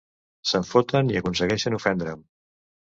Se'n foten, i aconsegueixen ofendre'm.